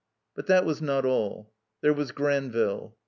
But that was not all. There was Granville.